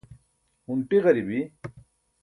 hunṭi ġaribi